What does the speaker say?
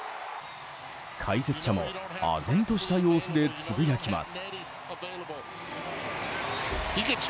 解説者もあぜんとした様子でつぶやきます。